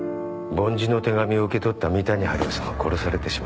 梵字の手紙を受け取った三谷治代さんは殺されてしまった。